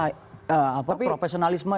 artinya setelah profesionalisme